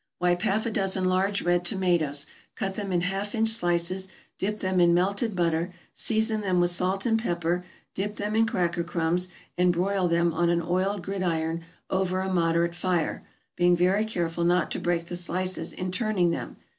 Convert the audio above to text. = Wipe half a dozen large red tomatoes, cut them in half inch slices, dip them in melted butter, season them with salt and pepper, dip them in cracker crumbs, and broil them on an oiled gridiron over a moderate fire, being very careful not to break the slices in turning them.